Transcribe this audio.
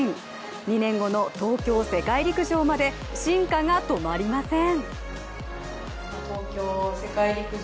２年後の東京世界陸上まで進化が止まりません。